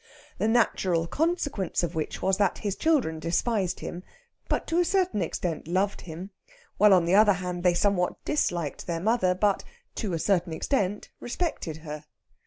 The natural consequence of which was that his children despised him, but to a certain extent loved him; while, on the other hand, they somewhat disliked their mother, but (to a certain extent) respected her.